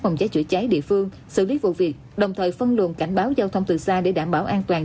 phòng cháy chữa cháy địa phương xử lý vụ việc đồng thời phân luồng cảnh báo giao thông từ xa để đảm bảo an toàn